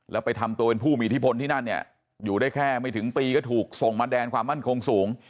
แล้วไปทำตัวเป็นผู้มีอิทธิพลที่นั่นเนี่ยอยู่ได้แค่ไม่ถึงปีก็ถูกส่งมาแดนความมั่นคงสูง